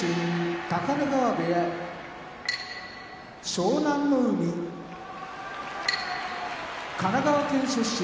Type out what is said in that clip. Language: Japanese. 湘南乃海神奈川県出身